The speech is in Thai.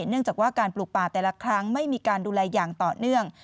เนื่องจากว่าการปลูกป่าแต่ละครั้งไม่มีการดูแลอย่างต่อเนื่อง